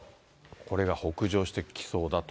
これが北上してきそうだと。